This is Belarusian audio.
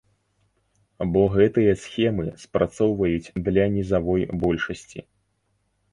Бо гэтыя схемы спрацоўваюць для нізавой большасці.